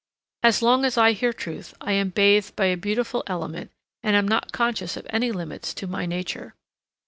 As long as I hear truth I am bathed by a beautiful element and am not conscious of any limits to my nature.